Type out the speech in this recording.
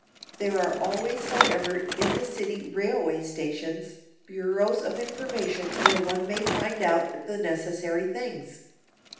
There are always, however, in the city railway stations, bureaus of information where one may find out the necessary things.